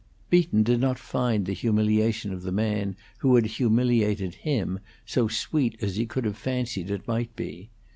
Beaton did not find the humiliation of the man who had humiliated him so sweet as he could have fancied it might be.